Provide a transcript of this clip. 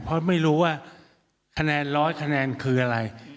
เพราะไม่รู้ว่าคะแนนร้อยคะแนนคืออะไร